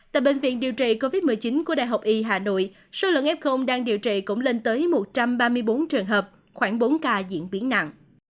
tại bệnh viện điều trị covid một mươi chín của đại học y hà nội số lượng f đang điều trị cũng lên tới một trăm ba mươi bốn trường hợp khoảng bốn ca diễn biến nặng